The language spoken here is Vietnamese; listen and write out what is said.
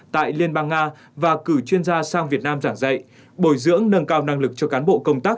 tại liên bang nga và cử chuyên gia sang việt nam giảng dạy bồi dưỡng nâng cao năng lực cho cán bộ công tác